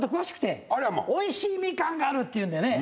おいしいみかんがあるっていうんでね。